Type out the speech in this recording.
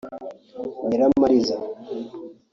Nyiramariza